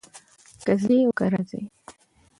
کۀ ځي او کۀ راځي